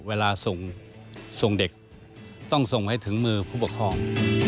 เวลาส่งเด็กต้องส่งให้ถึงมือผู้ปกครอง